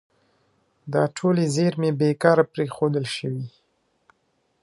دا ټولې زیرمې بې کاره پرېښودل شوي.